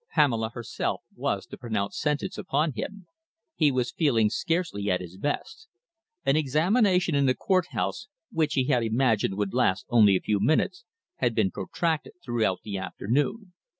Pamela herself was to pronounce sentence upon him. He was feeling scarcely at his best. An examination in the courthouse, which he had imagined would last only a few minutes, had been protracted throughout the afternoon.